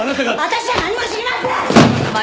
私は何も知りません！